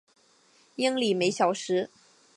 英里每小时。